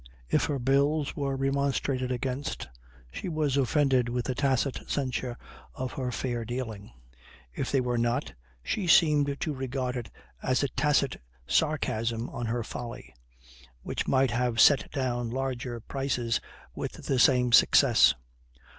If her bills were remonstrated against she was offended with the tacit censure of her fair dealing; if they were not, she seemed to regard it as a tacit sarcasm on her folly, which might have set down larger prices with the same success.